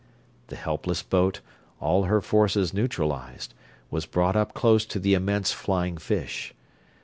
The helpless boat, all her forces neutralized, was brought up close to the immense flying fish.